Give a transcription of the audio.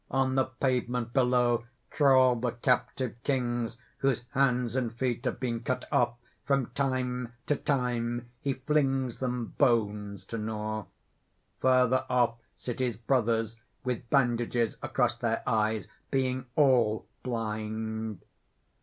On the pavement below crawl the captive kings whose hands and feet have been cut off; from time to time he flings them bones to gnaw. Further off sit his brothers, with bandages across their eyes, being all blind.